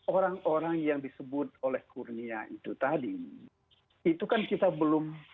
orang orang yang disebut oleh kurnia itu tadi itu kan kita belum